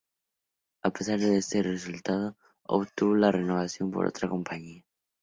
A pesar de este resultado, obtuvo la renovación por otra campaña.